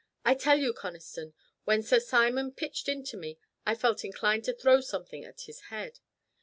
I tell you, Conniston, when Sir Simon pitched into me I felt inclined to throw something at his head.